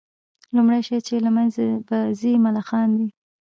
لومړى شى چي له منځه به ځي ملخان دي